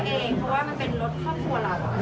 เป็นสวยใครล่ะค่ะใช่ไปทำรถดีกว่าค่ะ